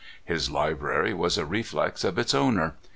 His library was a reflex of its owner.